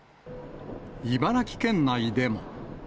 茨城県内でも。